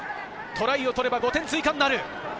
トライを取れば５点追加になる。